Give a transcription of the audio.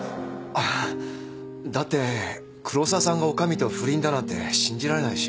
あっだって黒沢さんが女将と不倫だなんて信じられないし。